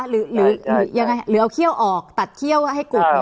หรือเอาเขี้ยวออกตัดเขี้ยวให้กลุ่มอย่างไรคะ